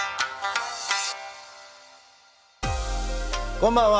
こんばんは。